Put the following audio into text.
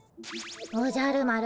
おじゃる丸